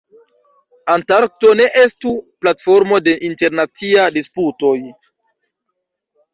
Antarkto ne estu platformo de internaciaj disputoj.